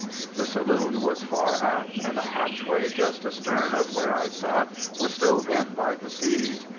The saloon was far aft, and a hatchway just astern of where I sat was stove in by the seas.